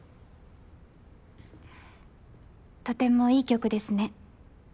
とてもいい曲ですね